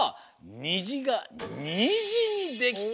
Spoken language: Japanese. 「にじがにじにできた」。